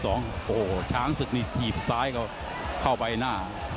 โอ้โหช้างศึกนี่ถีบซ้ายก็เข้าไปหน้า